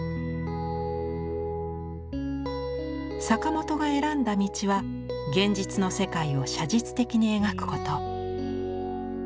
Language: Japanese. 坂本が選んだ道は現実の世界を写実的に描くこと。